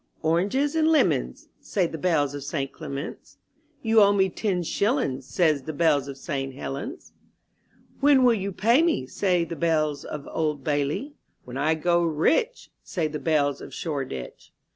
* 'Oranges and lemons," Say the bells of St. Clement^s, ^*You owe me ten shillings," Say the bells of St. Helen's. When will you pay me?" Say the bells of Old Bailey. When I grow rich," Say the bells of Shoreditch.